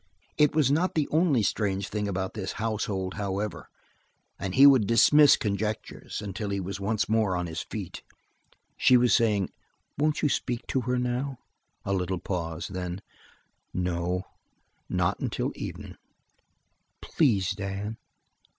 It was not the only strange thing about this household, however, and he would dismiss conjectures until he was once more on his feet. She was saying: "Won't you speak to her now?" A little pause. Then: "No, not until evenin'." "Please, Dan."